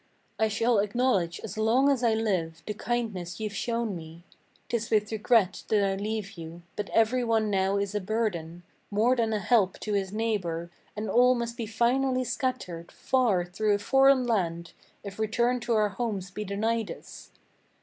I shall acknowledge as long as I live the kindness ye've shown me. 'Tis with regret that I leave you; but every one now is a burden, More than a help to his neighbor, and all must be finally scattered Far through a foreign land, if return to our homes be denied us.